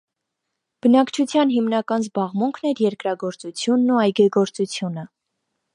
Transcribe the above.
Բնակչության հիմնական զբաղմունքն էր երկրագործությունն ու այգեգործությունը։